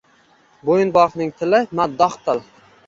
Boʼyinbogʼning tili – maddoh til